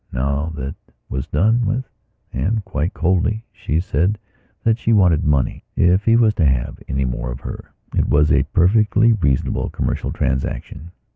Now that was done with, and, quite coldly, she said that she wanted money if he was to have any more of her. It was a perfectly reasonable commercial transaction.